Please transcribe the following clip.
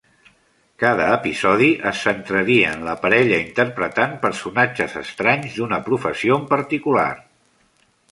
Cada episodi es centraria en la parella interpretant personatges estranys d'una professió en particular.